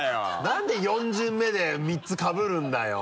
なんで四巡目で３つかぶるんだよ。